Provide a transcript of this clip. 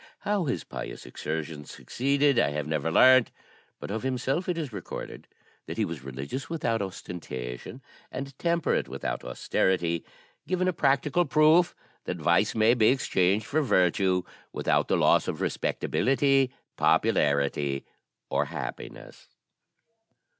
How his pious exertions succeeded, I have never learnt; but of himself it is recorded that he was religious without ostentation, and temperate without austerity; giving a practical proof that vice may be exchanged for virtue, without the loss of respectability, popularity, or happiness.